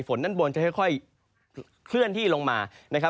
ฝนด้านบนจะค่อยคื่นที่ลงมา